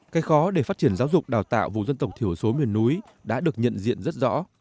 cái khó để phát triển giáo dục đào tạo vùng dân tộc thiểu số miền núi đã được nhận diện rất rõ